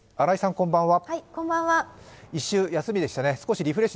こんばんは。